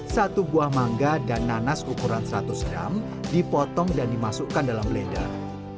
satu buah mangga dan nanas ukuran seratus gram dipotong dan dimasukkan dalam blender